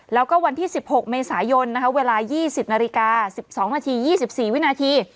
แล้วก็วันที่๑๖เมษายนเวลา๒๐นาฬิกา๑๒นาที๒๔วินาที